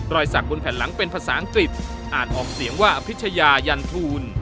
สักบนแผ่นหลังเป็นภาษาอังกฤษอ่านออกเสียงว่าอภิชยายันทูล